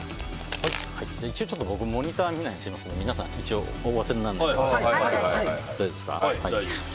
一応僕ちょっとモニター見ないようにしますので皆さん一応、大丈夫ですか。